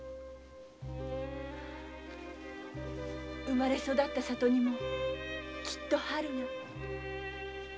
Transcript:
生まれ育った里にもきっと春が。